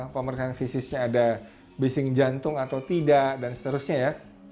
pemeriksaan fisiknya ada bising jantung atau tidak dan seterusnya ya